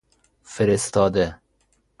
فرستاده